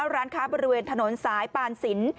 ร้านค้าบริเวณถนนสายปานสิน